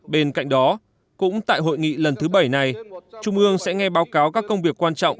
bên cạnh đó cũng tại hội nghị lần thứ bảy này trung ương sẽ nghe báo cáo các công việc quan trọng